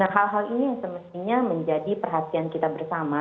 hal hal ini yang semestinya menjadi perhatian kita bersama